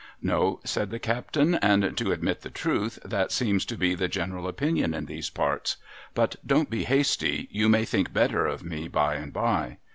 ' No,' said the captain, ' and, to admit the truth, that seems to be the general opinion in these parts. But don't be hasty ; you may think better of me by and by.'